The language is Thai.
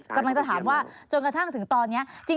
กำลังจะถามว่าจนกระทั่งถึงตอนนี้